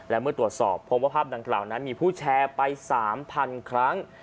และเมื่อตรวจสอบพบว่าภาพดังกล่าวนั้นมีผู้แชร์ไป๓๐๐๐ครั้ง